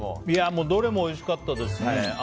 どれもおいしかったですね。